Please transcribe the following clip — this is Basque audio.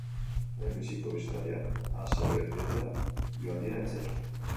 Lehenbiziko bisitariak asebeteta joan dira etxera.